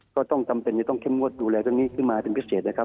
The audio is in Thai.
ก็ต้องจำเป็นจะต้องเข้มงวดดูแลเรื่องนี้ขึ้นมาเป็นพิเศษนะครับ